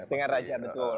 dengan raja betul